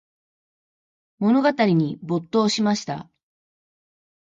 物語に没頭しました。